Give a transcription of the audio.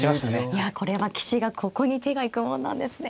いやこれは棋士がここに手が行くものなんですね。